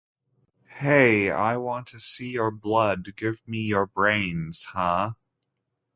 Hey, I want to see your blood, give me your brains, huh!